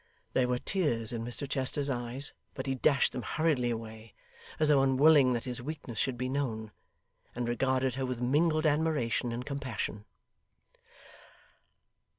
There were tears in Mr Chester's eyes, but he dashed them hurriedly away, as though unwilling that his weakness should be known, and regarded her with mingled admiration and compassion.